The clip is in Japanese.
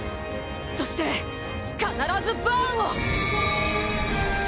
そして必ずバーンを。